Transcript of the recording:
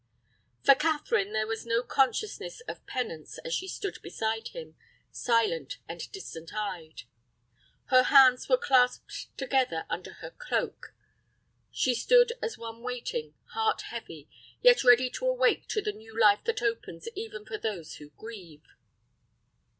For Catherine there was no consciousness of penance as she stood beside him, silent and distant eyed. Her hands were clasped together under her cloak. She stood as one waiting, heart heavy, yet ready to awake to the new life that opens even for those who grieve.